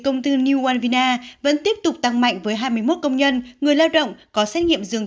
công tư new alvina vẫn tiếp tục tăng mạnh với hai mươi một công nhân người lao động có xét nghiệm dương